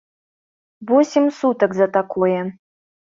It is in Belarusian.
Восем сутак за такое.